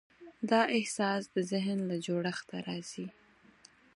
دا احساس د ذهن له جوړښت راځي.